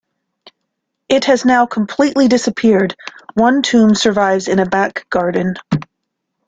It has now completely disappeared; one tomb survives in a back garden.